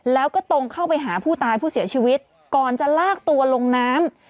แล้วก็ตรงเข้าไปหาผู้ตายผู้เสียชีวิตก่อนจะลากตัวลงน้ำ